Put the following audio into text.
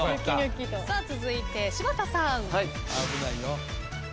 続いて柴田さん。